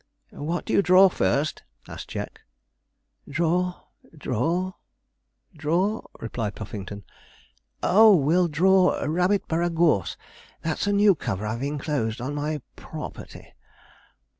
'What do you draw first?' asked Jack. 'Draw draw draw,' replied Puffington. 'Oh, we'll draw Rabbitborough Gorse that's a new cover I've inclosed on my pro o r perty.'